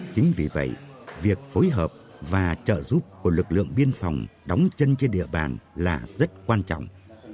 chính vì vậy việc phối hợp và trợ giúp của lực lượng biên phòng đóng chân trên địa bàn là rất quan trọng